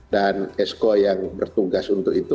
dan esko yang bertugas untuk itu